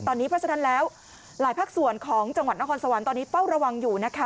เพราะฉะนั้นแล้วหลายภาคส่วนของจังหวัดนครสวรรค์ตอนนี้เฝ้าระวังอยู่นะคะ